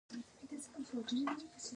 د خوست په باک کې د ګچ نښې شته.